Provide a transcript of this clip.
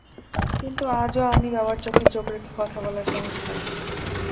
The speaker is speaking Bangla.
কিন্তু আজও আমি বাবার চোখে চোখ রেখে কথা বলার সাহস পাই না।